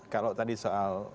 kalau tadi soal